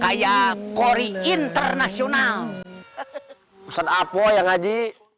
kayak kori internasional set up boya ngaji